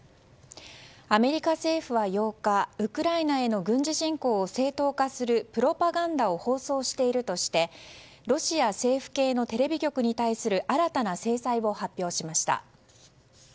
アメリカ政府は８日ウクライナへの軍事侵攻を正当化するプロパガンダを放送しているとしてロシア政府系のテレビ局に対する新たな制裁を発表しました。